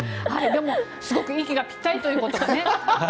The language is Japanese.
でも、すごく息がぴったりということが。